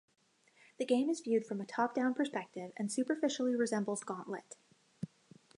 The game is viewed from top-down perspective and superficially resembles "Gauntlet".